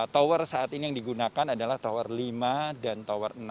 tower saat ini yang digunakan adalah tower lima dan tower enam